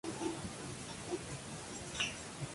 Dio a la pintura laconia un mayor grado de realismo.